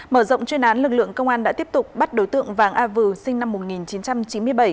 mở rộng chuyên án lực lượng công an đã tiếp tục bắt đối tượng vàng a vừ sinh năm một nghìn chín trăm chín mươi bảy